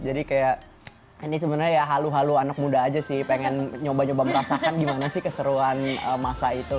jadi kayak ini sebenarnya ya halu halu anak muda aja sih pengen nyoba nyoba merasakan gimana sih keseruan masa itu gitu